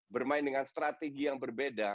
bermain dengan strategi yang berbeda